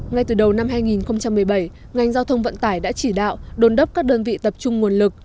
ngay từ đầu năm hai nghìn một mươi bảy ngành giao thông vận tải đã chỉ đạo đồn đốc các đơn vị tập trung nguồn lực